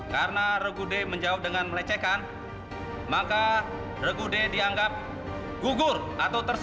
karena regu d menjawab dengan melecehkan maka regu d dianggap gugur atau tersisi